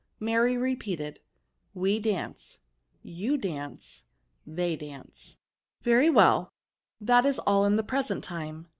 Mary repeated, "we dance, you dance, they dance." " Very well : that is all the present time.